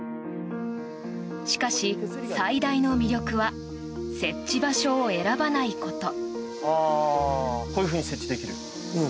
しかし、最大の魅力は設置場所を選ばないこと。